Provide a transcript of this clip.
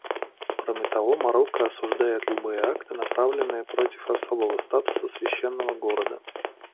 Кроме того, Марокко осуждает любые акты, направленные против особого статуса Священного города.